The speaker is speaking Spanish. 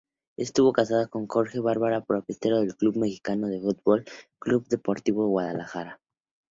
Estuvo casada con Jorge Vergara, propietario del club mexicano de fútbol Club Deportivo Guadalajara.